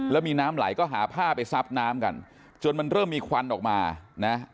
แล้วมีน้ำไหลก็หาผ้าไปซับน้ำกันจนมันเริ่มมีควันออกมานะ